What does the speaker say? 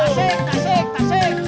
tasik tasik tasik